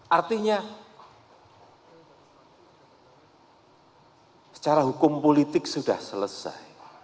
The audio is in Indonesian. artinya secara hukum politik sudah selesai